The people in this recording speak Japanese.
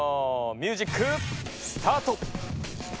ミュージックスタート！